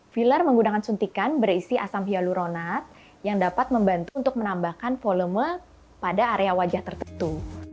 filler menggunakan suntikan berisi asam hyaluronat yang dapat membantu untuk menambahkan volume pada area wajah tertentu